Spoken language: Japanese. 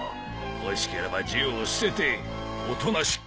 欲しければ銃を捨てておとなしく。